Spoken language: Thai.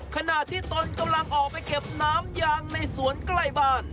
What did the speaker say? ขณะที่ตนกำลังออกไปเก็บน้ำยางในสวนใกล้บ้าน